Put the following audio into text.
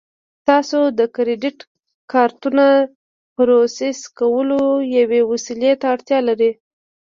تاسو د کریډیټ کارتونو پروسس کولو یوې وسیلې ته اړتیا لرئ